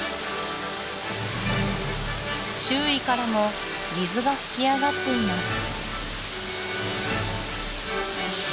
周囲からも水が噴き上がっています